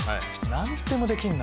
何でもできんな！